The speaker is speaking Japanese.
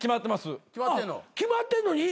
決まってんのに？